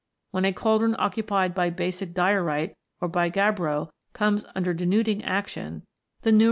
When a cauldron occupied by basic diorite or by gabbro comes under denuding action, the numerous Fig.